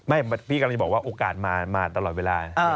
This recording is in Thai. พี่กำลังจะบอกว่าโอกาสมาตลอดเวลา